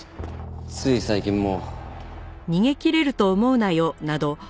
つい最近も。